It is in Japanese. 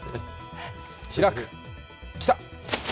開く、来た！